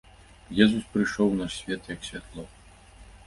Езус прыйшоў у наш свет як святло.